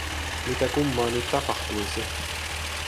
Mitä kummaa nyt tapahtuisi?